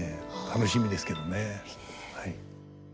楽しみですけどね。